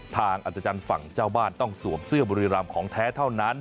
อัตจันทร์ฝั่งเจ้าบ้านต้องสวมเสื้อบุรีรำของแท้เท่านั้น